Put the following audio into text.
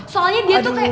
soalnya dia tuh kayak